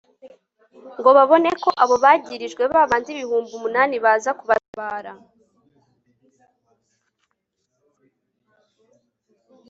ngo babone ko abo bagirijwe, ba bandi ibihumbi munani baza kubatabara